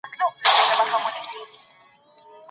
وزير ژمنه وکړه چي نوي سړکونه به ډير ژر پاخه سي.